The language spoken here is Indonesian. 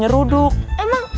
jadi kambingnya nyeruduk